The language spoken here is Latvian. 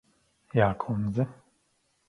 Jā, kundze.